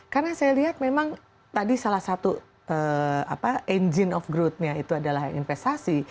karena saya lihat memang tadi salah satu engine of growth nya itu adalah investasi